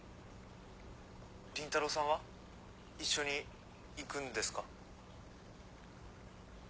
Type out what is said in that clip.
倫太郎さんは一緒に行くんですか？